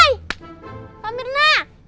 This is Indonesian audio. hai pak mirna